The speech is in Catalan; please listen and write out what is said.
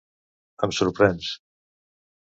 Em sorprens.